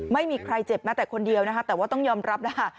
ไม่มีใครเจ็บแม้แต่คนเดียวนะคะแต่ว่าต้องยอมรับนะคะ